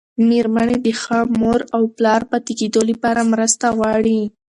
مېرمنې د ښه مور او پلار پاتې کېدو لپاره مرسته غواړي.